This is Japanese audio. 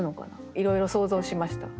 いろいろ想像しました。